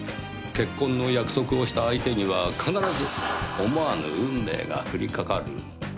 結婚の約束をした相手には必ず思わぬ運命が降りかかる。